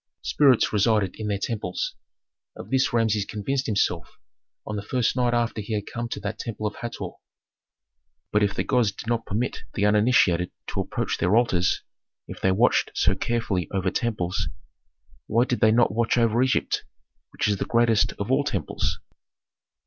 Spirits resided in their temples; of this Rameses convinced himself on the first night after he had come to that temple of Hator. "But if the gods did not permit the uninitiated to approach their altars, if they watched so carefully over temples, why did they not watch over Egypt, which is the greatest of all temples?"